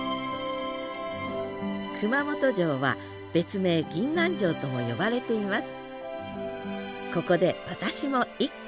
熊本城は別名銀杏城とも呼ばれています。